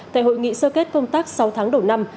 tại hội nghị sơ kết công tác sáu tháng đầu năm